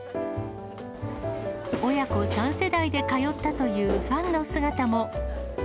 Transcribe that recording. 親子３世代で通ったというファンの姿も。